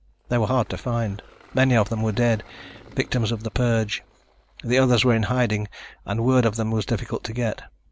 They were hard to find. Many of them were dead, victims of the purge. The others were in hiding and word of them was difficult to get.